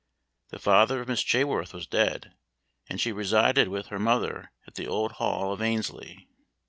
The father of Miss Chaworth was dead, and she resided with her mother at the old Hall of Annesley.